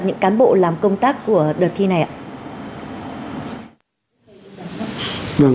những cán bộ làm công tác của đợt thi này ạ